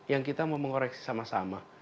yang kita mau mengoreksi sama sama